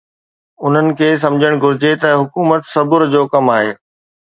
انهن کي سمجهڻ گهرجي ته حڪومت صبر جو ڪم آهي.